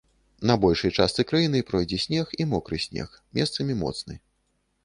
На большай частцы краіны пройдзе снег і мокры снег, месцамі моцны.